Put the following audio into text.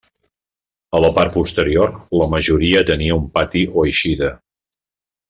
A la part posterior la majoria tenia un pati o eixida.